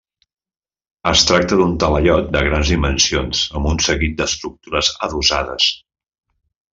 Es tracta d’un talaiot de grans dimensions amb un seguit d’estructures adossades.